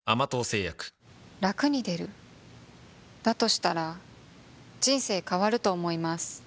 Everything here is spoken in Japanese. したら人生変わると思います